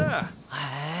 へえ。